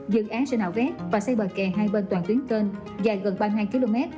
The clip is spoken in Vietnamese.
dự án sẽ nạo vét và xây bờ kè hai bên toàn tuyến cơn dài gần ba mươi hai km